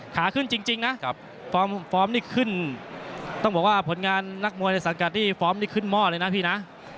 ขาขึ้นจริงนะฟอร์มนี่ขึ้นต้องบอกว่าผลงานนักมวยในสังกัดนี่ฟอร์มนี่ขึ้นหม้อเลยนะพี่นะ